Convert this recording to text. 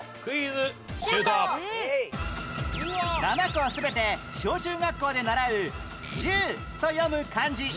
７個は全て小・中学校で習う「じゅう」と読む漢字